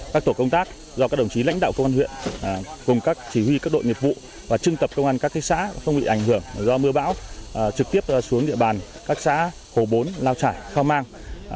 các tổ công tác do các đồng chí lãnh đạo công an huyện cùng các chỉ huy các đội nghiệp vụ và trưng tập công an các thị xã không bị ảnh hưởng do mưa bão trực tiếp xuống địa bàn các xã hồ bốn lao trải khao mang